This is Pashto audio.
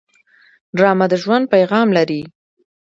ډرامه د ژوند پیغام لري